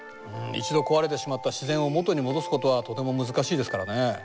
一度壊れてしまった自然を元に戻すことはとても難しいですからね。